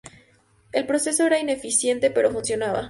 El proceso era ineficiente, pero funcionaba.